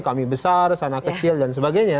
kami besar sana kecil dan sebagainya